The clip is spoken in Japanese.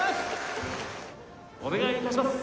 「お願い致します」